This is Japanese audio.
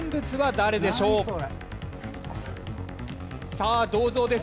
さあ銅像です。